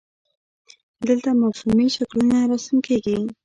دلته مفهومي شکلونه رسم کیږي.